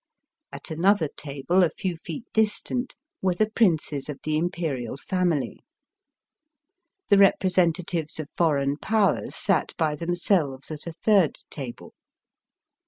At another table a few feet distant were the princes of the Imperial family. The repre sentatives of foreign Powers sat by themselves at a third table.